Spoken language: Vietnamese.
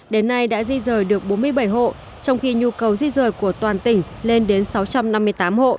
đến nay đã di rời được bốn mươi bảy hộ trong khi nhu cầu di rời của toàn tỉnh lên đến sáu trăm năm mươi tám hộ